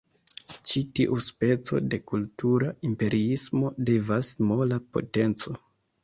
Ĉi tiu speco de kultura imperiismo devenas "mola potenco".